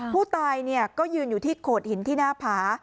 ผู้ตายก็ยืนอยู่ที่โขดหินที่หน้าผา